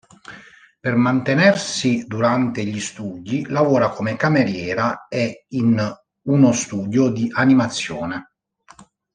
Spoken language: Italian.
Per mantenersi durante gli studi, lavora come cameriera e in uno studio di animazione.